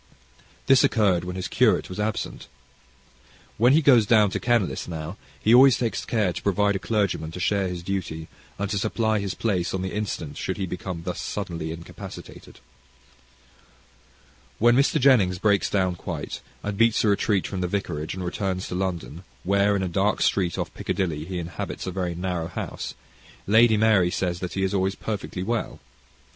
This occurred when his curate was absent. When he goes down to Kenlis now, he always takes care to provide a clergyman to share his duty, and to supply his place on the instant should he become thus suddenly incapacitated. When Mr. Jennings breaks down quite, and beats a retreat from the vicarage, and returns to London, where, in a dark street off Piccadilly, he inhabits a very narrow house, Lady Mary says that he is always perfectly well.